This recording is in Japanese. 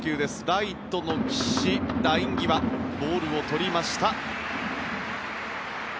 ライトの岸、ライン際ボールをとりました。